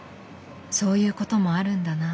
そういうこともあるんだな。